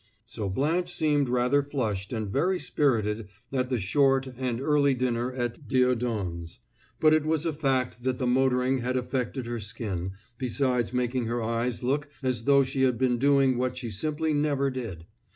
So Blanche seemed rather flushed and very spirited at the short and early dinner at Dieudonne's; but it was a fact that the motoring had affected her skin, besides making her eyes look as though she had been doing what she simply never did.